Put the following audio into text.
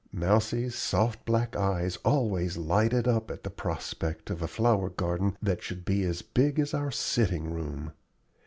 Mousie's soft black eyes always lighted up at the prospect of a flower garden that should be as big as our sitting room.